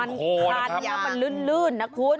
มันคันแล้วมันลื่นนะคุณ